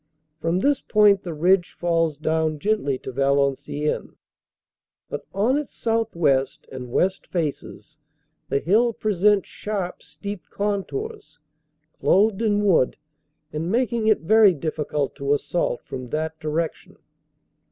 From this point the ridge falls down 359 360 CANADA S HUNDRED DAYS gently to Valenciennes, but on its southwest and west faces the hill presents sharp steep contours, clothed in wood, and mak ing it very difficult to assault from that direction.